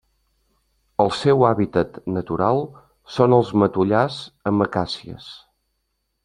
El seu hàbitat natural són els matollars amb acàcies.